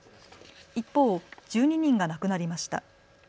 一方、１２人が亡くなりました。